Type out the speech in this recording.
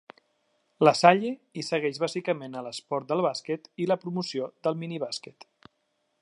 La Salle, i segueix bàsicament a l'esport del bàsquet i la promoció del minibàsquet.